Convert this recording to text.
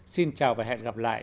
xin chào và hẹn gặp lại